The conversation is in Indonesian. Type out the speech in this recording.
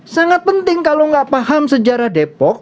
sangat penting kalau nggak paham sejarah depok